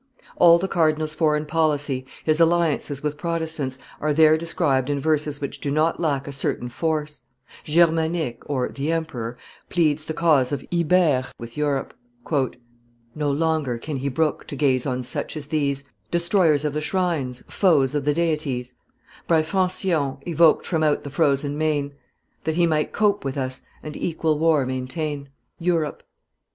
All the cardinal's foreign policy, his alliances with Protestants, are there described in verses which do not lack a certain force: Germanique (the emperor) pleads the cause of Ibere with Europe: "No longer can he brook to gaze on such as these, Destroyers of the shrines, foes of the Deities, By Francion evoked from out the Frozen Main, That he might cope with us and equal war maintain. EUROPE.